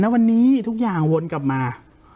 วันนี้ทุกอย่างวนกลับมา